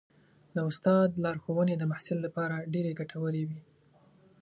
د استاد لارښوونې د محصل لپاره ډېرې ګټورې وي.